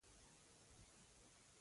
پیاله له یار سره راز شریکوي.